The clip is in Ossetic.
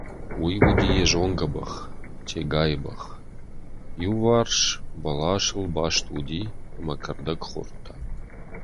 Уый уыди йӕ зонгӕ бӕх, Тегайы бӕх, — иуварс бӕласыл баст уыди ӕмӕ кӕрдӕг хордта.